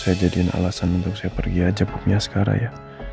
saya jadiin alasan untuk saya pergi aja pokoknya sekarang ya